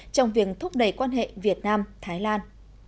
trong việc thúc đẩy quan hệ việt nam thái lan